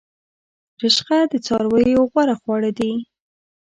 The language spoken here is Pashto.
رشقه د څارویو غوره خواړه دي